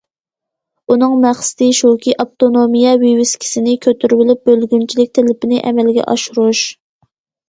ئۇنىڭ مەقسىتى شۇكى،« ئاپتونومىيە» ۋىۋىسكىسىنى كۆتۈرۈۋېلىپ، بۆلگۈنچىلىك تەلىپىنى ئەمەلگە ئاشۇرۇش.